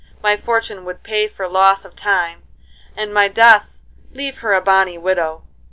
My fortune would pay for loss of time, and my death leave her a bonny widow.